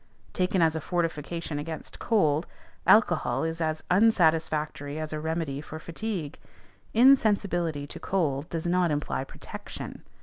Taken as a fortification against cold, alcohol is as unsatisfactory as a remedy for fatigue. Insensibility to cold does not imply protection.